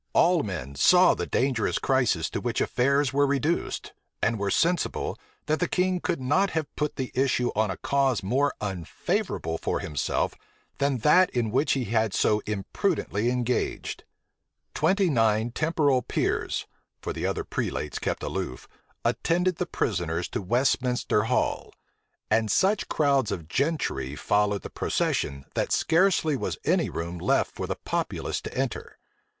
All men saw the dangerous crisis to which affairs were reduced, and were sensible, that the king could not have put the issue on a cause more unfavorable for himself than that in which he had so imprudently engaged. Twenty nine temporal peers (for the other prelates kept aloof) attended the prisoners to Westminster Hall; and such crowds of gentry followed the procession, that scarcely was any room left for the populace to enter.